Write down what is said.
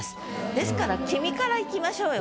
ですから「君」からいきましょうよ